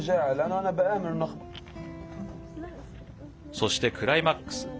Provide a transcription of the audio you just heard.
そしてクライマックス。